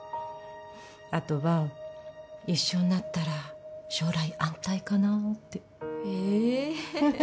あとは一緒になったら将来安泰かなってええ